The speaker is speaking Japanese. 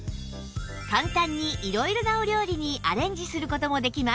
簡単に色々なお料理にアレンジする事もできます